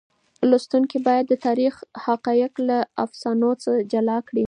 لوستونکي باید د تاریخ حقایق له افسانو جلا کړي.